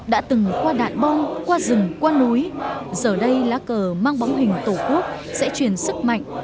đã từng qua đạn bông qua rừng qua núi giờ đây lá cờ mang bóng hình tổ quốc sẽ truyền sức mạnh